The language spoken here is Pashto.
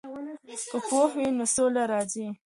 که پوهه وي نو سوله راځي.